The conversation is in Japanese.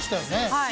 はい。